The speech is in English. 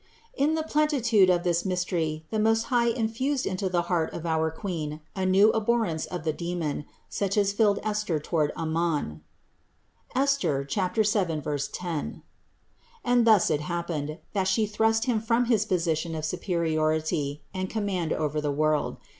66. In the plenitude of this mystery the Most High infused into the heart of our Queen a new abhorrence of the demon, such as filled Esther toward Aman (Esther 7, 10) ; and thus it happened, that She thrust him from his position of superiority and command over the world.